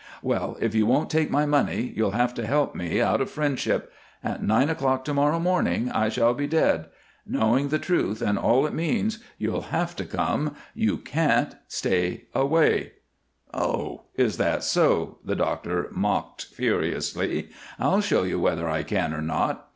"Well, if you won't take my money, you'll have to help me, out of friendship. At nine o'clock to morrow morning I shall be dead. Knowing the truth and all it means, you'll have to come. You can't stay away." "Oh, is that so?" the doctor mocked, furiously. "I'll show you whether I can or not."